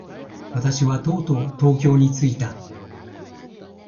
私はとうとう東京に着いた。